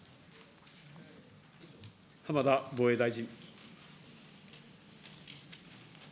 浜田防衛大臣。